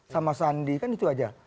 sama sandi kan itu aja